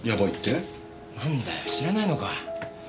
なんだよ知らないのか。